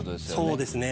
そうですね。